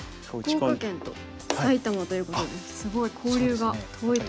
福岡県と埼玉ということですごい交流が遠いとこですね。